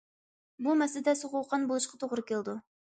بۇ مەسىلىدە سوغۇققان بولۇشقا توغرا كېلىدۇ.